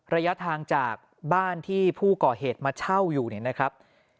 ระยะทางจากบ้านที่ผู้ก่อเหตุมาเช่าอยู่เนี่ยนะครับ